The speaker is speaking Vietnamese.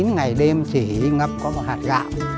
bốn mươi chín ngày đêm chỉ ngập có một hạt gạo